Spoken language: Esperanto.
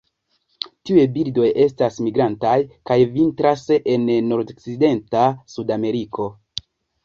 Tiuj birdoj estas migrantaj kaj vintras en nordokcidenta Sudameriko.